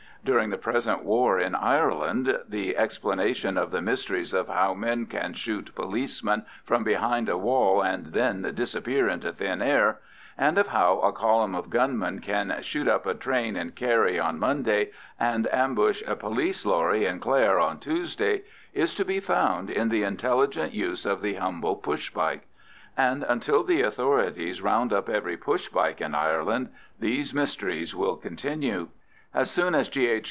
During the present war in Ireland, the explanation of the mysteries of how men can shoot policemen from behind a wall and then disappear into thin air, and of how a column of gunmen can shoot up a train in Kerry on Monday and ambush a police lorry in Clare on Tuesday, is to be found in the intelligent use of the humble push bike. And until the authorities round up every push bike in Ireland, these mysteries will continue. As soon as G.